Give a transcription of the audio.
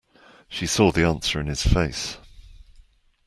She saw the answer in his face.